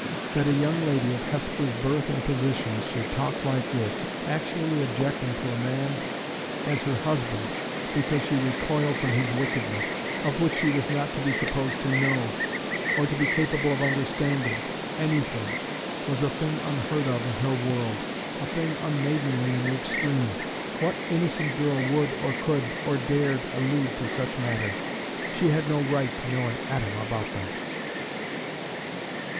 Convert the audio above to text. That a young lady of Hesper's birth and position should talk like this, actually objecting to a man as her husband because she recoiled from his wickedness, of which she was not to be supposed to know, or to be capable of understanding, anything, was a thing unheard of in her world a thing unmaidenly in the extreme! What innocent girl would or could or dared allude to such matters? She had no right to know an atom about them!